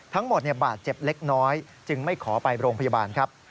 ทั้งหมดบาดเจ็บเล็กน้อยจึงไม่ขอไปโรงพยาบาลครับ